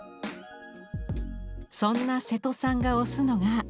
そんな瀬戸さんが推すのが。